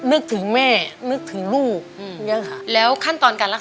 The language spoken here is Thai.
สามีก็ต้องพาเราไปขับรถเล่นดูแลเราเป็นอย่างดีตลอดสี่ปีที่ผ่านมา